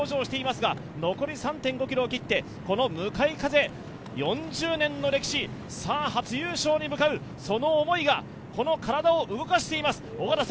残り３．５ｋｍを切って、この向かい風、４０年の歴史初優勝に向かうその思いが、この体を動かしています。